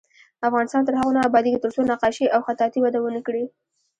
افغانستان تر هغو نه ابادیږي، ترڅو نقاشي او خطاطي وده ونه کړي.